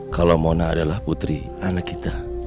kalau mona adalah putri anak kita